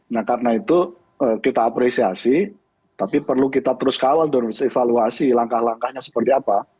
nah karena itu kita apresiasi tapi perlu kita terus kawal terus evaluasi langkah langkahnya seperti apa